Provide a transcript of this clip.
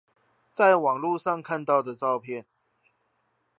在網路上看到照片